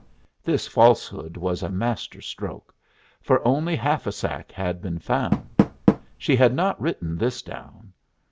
This falsehood was a master stroke, for only half a sack had been found. She had not written this down.